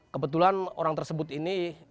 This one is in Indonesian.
kebetulan orang tersebut ini